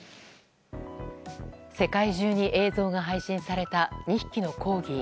世界中に映像が配信された２匹のコーギー。